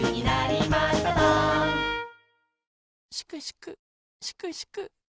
・しくしくしくしく。